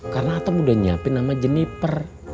karena atom udah nyiapin nama jeniper